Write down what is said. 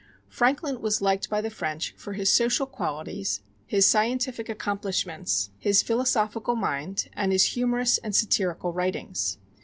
Franklin was liked by the French for his social qualities, his scientific accomplishments, his philosophical mind, and his humorous and satirical writings.